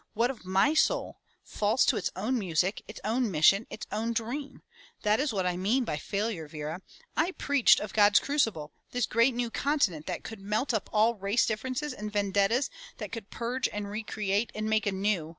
"What of my soul? False to its own music, its own mission, its own dream. That is what I mean by failure, Vera. I preached of God's crucible, this great new continent that could melt up all race differences and vendettas, that could purge and re create and make anew.